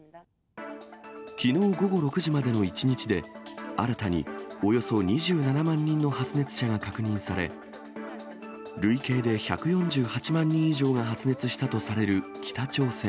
きのう午後６時までの１日で、新たにおよそ２７万人の発熱者が確認され、累計で１４８万人以上が発熱したとされる北朝鮮。